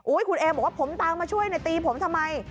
คุณเอบอกว่าผมตามมาช่วยตีผมทำไม